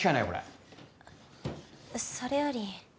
それより。